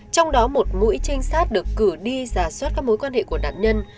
trong đó một mũi trinh sát được cử đi giả soát các mối quan hệ của nạn nhân